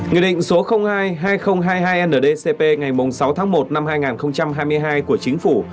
nghị định số hai hai nghìn hai mươi hai ndcp ngày sáu tháng một năm hai nghìn hai mươi hai của chính phủ